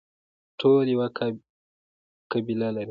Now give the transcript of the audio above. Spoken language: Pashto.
ټول یوه قبله لري